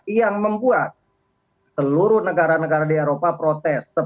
yang membuat seluruh negara negara di eropa protes